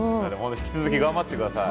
引き続き頑張って下さい。